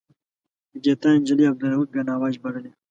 ګیتا نجلي عبدالرؤف بینوا ژباړلی.